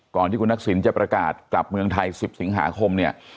ก่อนที่คุณทักษิณจะประกาศกลับเมืองไทย๑๐สิงหาคมเนี่ย